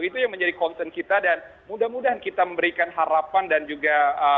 itu yang menjadi concern kita dan mudah mudahan kita memberikan harapan dan juga